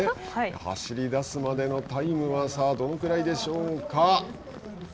走り出すまでのタイムは、差はどのくらいでしょうか。